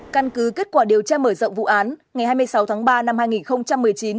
căn cứ kết quả điều tra mở rộng vụ án ngày hai mươi sáu tháng ba năm hai nghìn một mươi chín